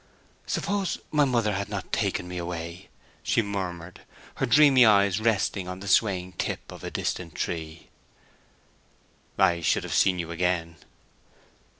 "Suppose my mother had not taken me away?" she murmured, her dreamy eyes resting on the swaying tip of a distant tree. "I should have seen you again."